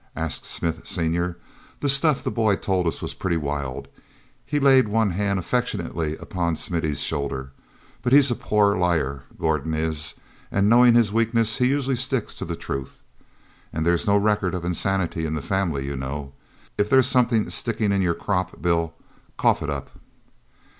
asked Smith senior. "That stuff the boy told us was pretty wild"—he laid one hand affectionately upon Smithy's shoulder—"but he's a poor liar, Gordon is, and, knowing his weakness, he usually sticks to the truth. And there's no record of insanity in the family, you know. If there's something sticking in your crop, Bill, cough it up."